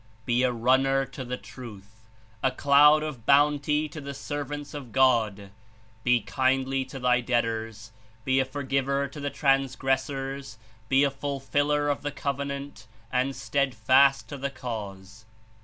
Be a runner to the Truth; a cloud (of bounty) to the servants of God; be kindly to thy debtors; be a forgiver to the transgressors; be a fulfiller of the Covenant and steadfast to the Cause.